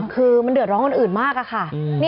คือมันเดือดร้อนคนอื่นมากอะค่ะ